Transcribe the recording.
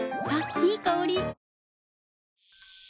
いい香り。